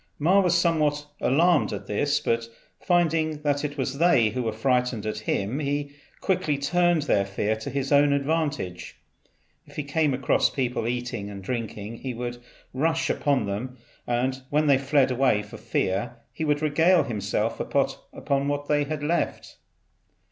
Ma was somewhat alarmed at this, but finding that it was they who were frightened at him, he quickly turned their fear to his own advantage. If he came across people eating and drinking he would rush upon them, and when they fled away for fear, he would regale himself upon what they had left.